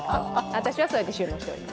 私はそうやって収納しています。